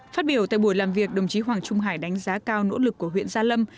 phát biểu tại buổi làm việc đồng chí hoàng trung hải đánh giá cao nỗ lực của huyện gia lâm